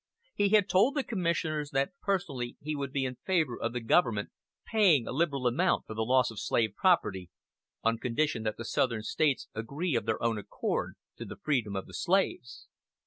He had told the commissioners that personally he would be in favor of the government paying a liberal amount for the loss of slave property, on condition that the southern States agree of their own accord to the freedom of the slaves.